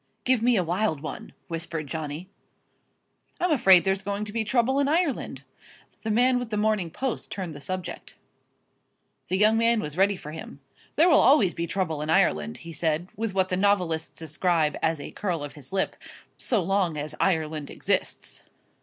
"Give me a wild one" whispered Johnny. "I'm afraid there's going to be trouble in Ireland," the man with The Morning Post turned the subject. The young man was ready for him. "There will always be trouble in Ireland," he said, with what the novelists describe as a curl of his lip, "so long as Ireland exists."